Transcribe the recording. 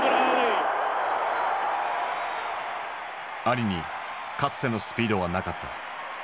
アリにかつてのスピードはなかった。